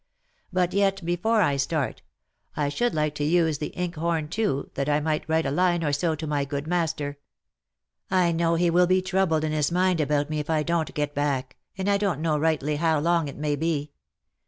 But yet, before I start, I should like to use the ink horn too, that I might write a line or so to my good master. I know he will be troubled in his mind about me if I don't get back, and I don't know rightly how long it may be.